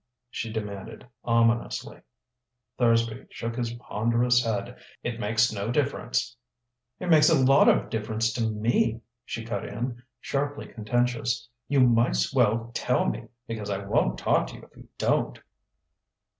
she demanded ominously. Thursby shook his ponderous head: "It makes no difference " "It makes a lot of difference to me!" she cut in, sharply contentious. "You might's well tell me, because I won't talk to you if you don't."